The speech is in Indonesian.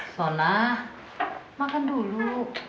suana makan dulu